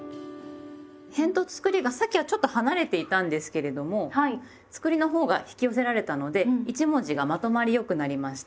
へんとつくりがさっきはちょっと離れていたんですけれどもつくりのほうが引き寄せられたので一文字がまとまり良くなりました。